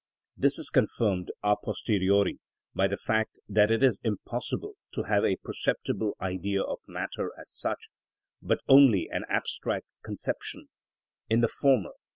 This is confirmed a posteriori by the fact that it is impossible to have a perceptible idea of matter as such, but only an abstract conception; in the former, _i.